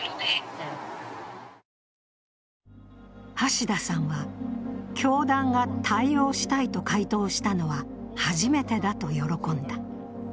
橋田さんは、教団が対応したいと回答したのは初めてだと喜んだ。